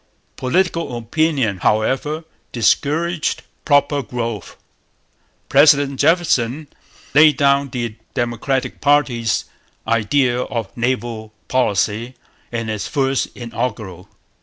Political opinion, however, discouraged proper growth. President Jefferson laid down the Democratic party's idea of naval policy in his first Inaugural.